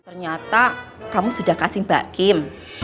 ternyata kamu sudah kasih mbak kim